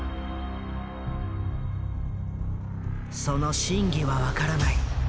その真偽は分からない。